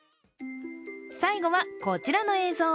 最後はこちらの映像。